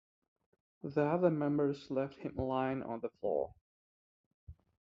The other members left him lying on the floor.